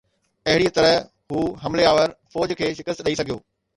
اهڙيءَ طرح هو حملي آور فوج کي شڪست ڏئي سگهيو